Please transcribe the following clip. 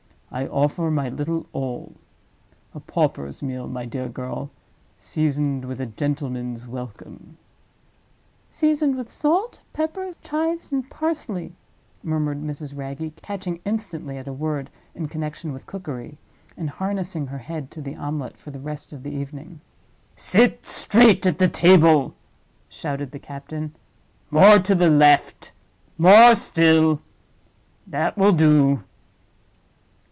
I offer my little all. A pauper's meal, my dear girl—seasoned with a gentleman's welcome." "Seasoned with salt, pepper, chives and parsley," murmured Mrs. Wragge, catching instantly at a word in connection with cookery, and harnessing her head to the omelette for the rest of the evening. "Sit straight at the table!" shouted the captain. "More to the left, more still—that will do.